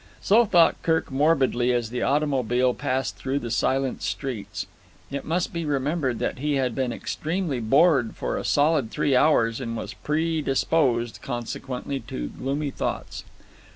So thought Kirk morbidly as the automobile passed through the silent streets. It must be remembered that he had been extremely bored for a solid three hours, and was predisposed, consequently, to gloomy thoughts.